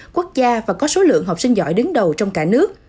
quốc gia và có số lượng học sinh giỏi đứng đầu trong cả nước